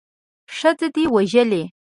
ښځه دې وژلې.